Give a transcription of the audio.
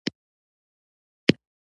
وسله کورونه ویجاړوي